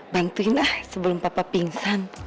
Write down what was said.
bantuin lah sebelum papa pingsan